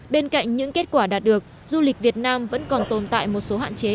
bên cạnh những kết quả đạt được du lịch việt nam vẫn còn tồn tại một số hạn chế